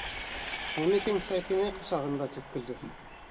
Хәмитең Сәкинә ҡосағында, тип көлдө...